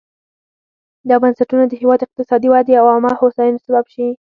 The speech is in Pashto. دا بنسټونه د هېواد اقتصادي ودې او عامه هوساینې سبب شي.